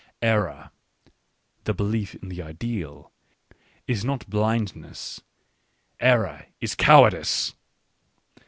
Error (the belief in the ideal) is not blindness ; error is cowardice.